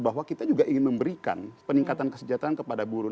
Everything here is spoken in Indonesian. bahwa kita juga ingin memberikan peningkatan kesejahteraan kepada buruh